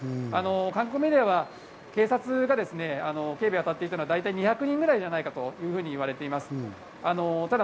韓国メディアは警察が警備に当たっていたのは大体２００人くらいじゃないかといわれています。